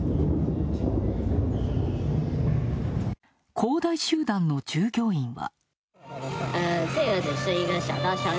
恒大集団の従業員は。